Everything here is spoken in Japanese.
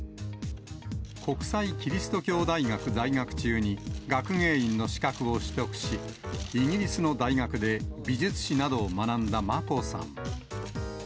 国際基督教大学在学中に学芸員の資格を取得し、イギリスの大学で美術史などを学んだ眞子さん。